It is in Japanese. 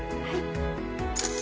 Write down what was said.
はい。